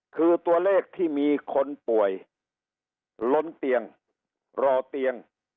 คือตัวเลขที่มีคนป่วยล้นเตียงรอเตียง